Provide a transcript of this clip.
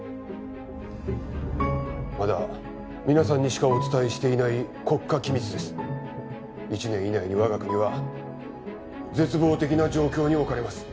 まだ皆さんにしかお伝えしていない国家機密です一年以内に我が国は絶望的な状況に置かれます